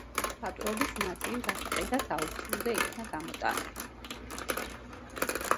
მხატვრობის ნაწილი გასაყიდად აუქციონზე იქნა გამოტანილი.